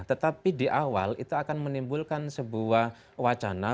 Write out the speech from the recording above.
tetapi di awal itu akan menimbulkan sebuah wacana